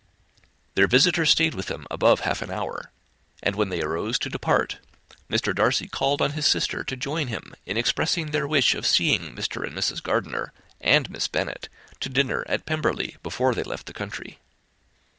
Their visitors stayed with them above half an hour; and when they arose to depart, Mr. Darcy called on his sister to join him in expressing their wish of seeing Mr. and Mrs. Gardiner, and Miss Bennet, to dinner at Pemberley, before they left the country.